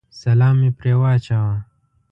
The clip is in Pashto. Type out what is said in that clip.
سلام مې پرې واچاوه.